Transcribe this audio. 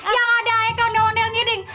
yang ada ayekan ada one yang ngiding